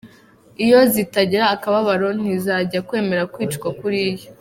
Iyo zitagira akababaro ntizajyaga kwemera kwicwa kuriya.